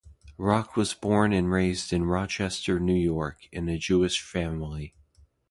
Rock was born and raised in Rochester, New York, in a Jewish family.